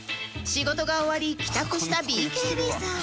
仕事が終わり帰宅した ＢＫＢ さん